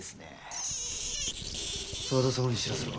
沢田様に知らせろ。